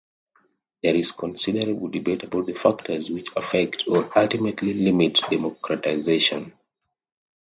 There is considerable debate about the factors which affect or ultimately limit democratization.